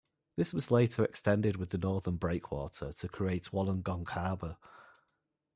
This was later extended with the northern breakwater to create Wollongong Harbour.